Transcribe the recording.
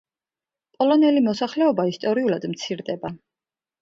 პოლონელი მოსახლეობა ისტორიულად მცირდება.